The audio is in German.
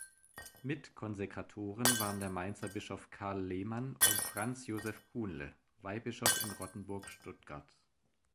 Mitkonsekratoren waren der Mainzer Bischof Karl Lehmann und Franz Josef Kuhnle, Weihbischof in Rottenburg-Stuttgart.